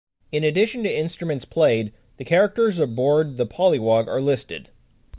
In addition to instruments played, the characters aboard the "Pollywogg" are listed.